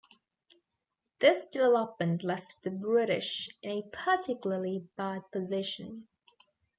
This development left the British in a particularly bad position.